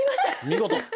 見事。